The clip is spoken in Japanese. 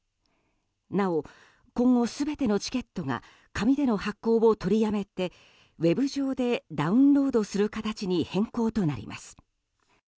なお今後、全てのチケットが紙での発行を取りやめてウェブ上でダウンロードする形に変更となります。